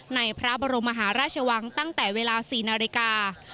ในพระบรมมหาราชวังตั้งแต่เวลา๔นาฬิกา